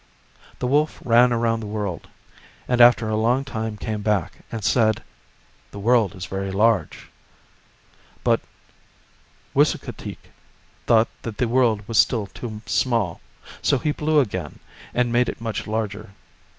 The wolf ran around the world, and after a long time came back, and said, " The world is very large." But Wisukateak thought the world was still too small, so he blew again and made it much larger.